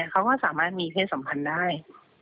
เขาก็สามารถมีเพศสัมพันธ์ได้